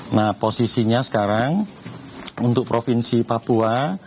nah posisinya sekarang untuk provinsi papua